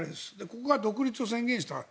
ここが独立を宣言した。